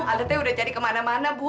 aldetnya udah cari kemana mana bu